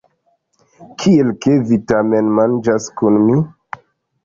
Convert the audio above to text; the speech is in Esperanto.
Kiel, ke vi matenmanĝas kun mi?